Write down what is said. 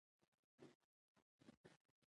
الوتکه د رڼا سره سیالي کوي.